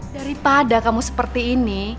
daripada kamu seperti ini